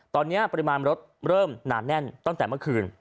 ตอนนี้ปริมาณรถเริ่มหนาแน่นตั้งแต่เมื่อคืน